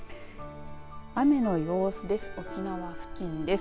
雨の様子です。